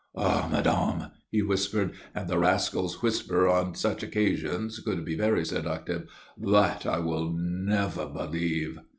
"Ah, madame," he whispered and the rascal's whisper on such occasions could be very seductive "that I will never believe."